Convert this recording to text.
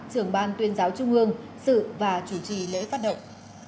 trưởng ban tuyên giáo trung ương sự và chủ trì lễ phát động